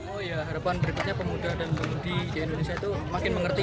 oh ya harapan berikutnya pemuda dan pemudi di indonesia itu makin mengerti